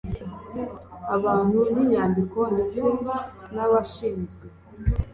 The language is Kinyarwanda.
abantu n inyandiko ndetse n abashinzwe